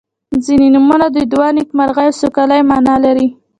• ځینې نومونه د دعا، نیکمرغۍ او سوکالۍ معنا لري.